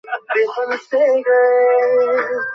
গুনাচিথরাম, গাড়ি চালু কর।